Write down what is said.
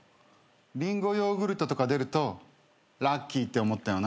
りんごヨーグルトとか出るとラッキーって思ったよな。